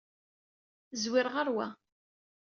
Zwir ɣer wa.